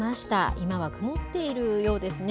今は曇っているようですね。